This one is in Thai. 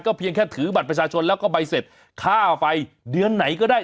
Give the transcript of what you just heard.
เพียงแค่ถือบัตรประชาชนแล้วก็ใบเสร็จค่าไฟเดือนไหนก็ได้